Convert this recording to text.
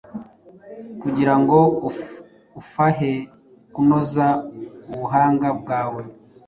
kugirango ufahe kunoza ubuhanga bwawe